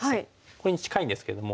これに近いんですけども。